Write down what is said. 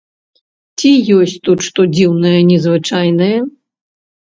Ці ёсць тут што дзіўнае, незвычайнае?